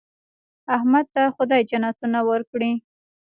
احمد ته خدای جنتونه ورکړي.